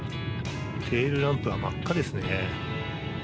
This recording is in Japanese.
テールランプは真っ赤ですね。